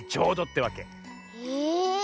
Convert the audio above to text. へえ。